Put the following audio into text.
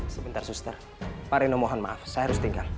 sebentar suster pak reno mohon maaf saya harus tinggal